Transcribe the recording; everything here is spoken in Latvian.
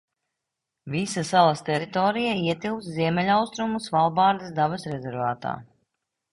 Visa salas teritorija ietilpst Ziemeļaustrumu Svalbāras dabas rezervātā.